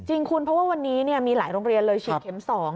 จริงคุณเพราะว่าวันนี้มีหลายโรงเรียนเลยฉีดเข็ม๒